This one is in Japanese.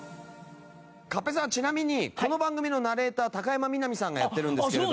勝平さんはちなみにこの番組のナレーター高山みなみさんがやってるんですけれど。